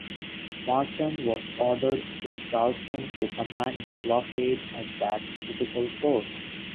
Marchand was ordered to Charleston to command the blockade at that critical port.